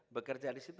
bekerja di situ